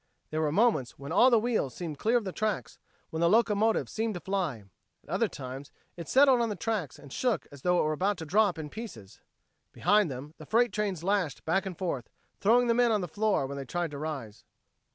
There were moments when all the wheels seemed clear of the tracks, when the locomotive seemed to fly; at other times it settled on the tracks and shook as though it were about to drop in pieces. Behind them, the freight cars lashed back and forth, throwing the men on the floor when they tried to rise.